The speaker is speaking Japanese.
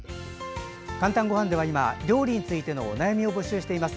「かんたんごはん」では今、料理についてのお悩みを募集しています。